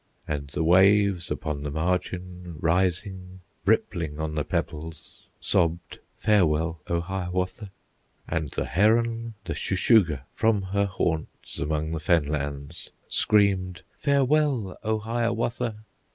And the waves upon the margin Rising, rippling on the pebbles, Sobbed, "Farewell, O Hiawatha!" And the heron, the Shuh shuh gah, From her haunts among the fen lands, Screamed, "Farewell, O Hiawatha!"